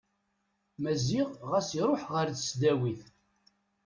Maziɣ ɣas iruḥ ɣer tesdawit.